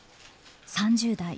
３０代